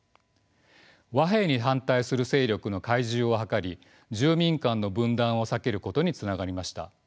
和平に反対する勢力の懐柔を図り住民間の分断を避けることにつながりました。